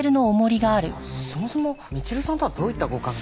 そもそもみちるさんとはどういったご関係で？